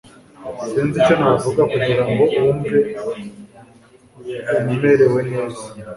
sinzi icyo navuga kugirango wumve umerewe neza